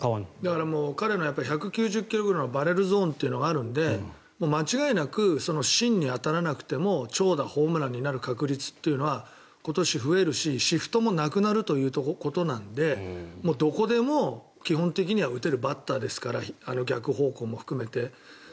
だから彼の１９０くらいのバレルゾーンというのがあるので間違いなく芯に当たらなくても長打、ホームランになる確率は今年増えるしシフトもなくなるということなのでどこでも基本的には打てるバッターですから逆方向も含めて。